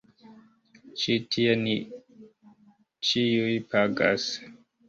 Ĉi tie ni ĉiuj pagas.